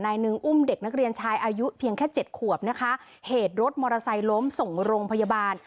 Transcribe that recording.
หนึ่งอุ้มเด็กนักเรียนชายอายุเพียงแค่เจ็ดขวบนะคะเหตุรถมอเตอร์ไซค์ล้มส่งโรงพยาบาล